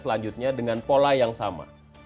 selanjutnya dengan pola yang sama